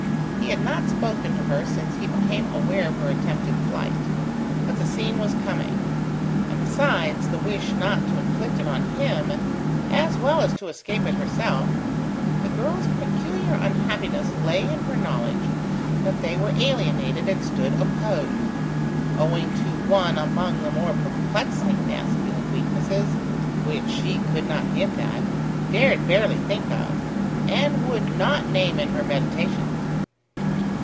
He had not spoken to her since he became aware of her attempted flight: but the scene was coming; and besides the wish not to inflict it on him, as well as to escape it herself, the girl's peculiar unhappiness lay in her knowledge that they were alienated and stood opposed, owing to one among the more perplexing masculine weaknesses, which she could not hint at, dared barely think of, and would not name in her meditations.